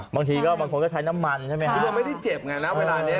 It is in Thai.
บางทีบางคนก็ใช้น้ำมันใช่มั้ยครับเตรียมก็ไม่ได้เจ็บไงนานเวลานี้